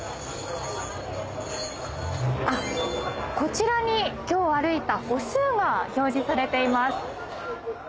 こちらに今日歩いた歩数が表示されています。